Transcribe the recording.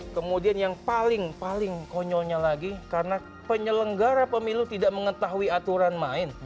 kemudian yang paling paling konyolnya lagi karena penyelenggara pemilu tidak mengetahui aturan main